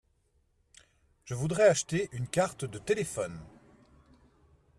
Je voudrais acheter une carte de téléphone.